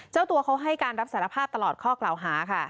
เจ้าตัวเขาให้การรับสารภาพตลอดข้อกล่าวหาค่ะ